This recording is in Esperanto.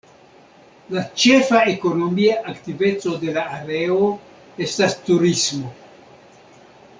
La ĉefa ekonomia aktiveco de la areo estas turismo.